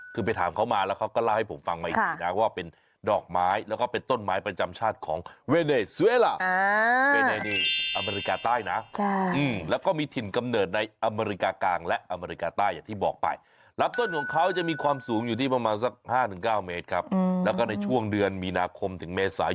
เขาบอกว่านักเรียนนักศึกษา